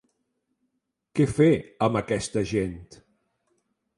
Què fer amb aquesta gent?